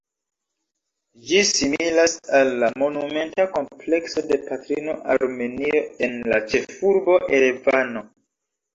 Ĝi similas al la monumenta komplekso de Patrino Armenio en la ĉefurbo Erevano.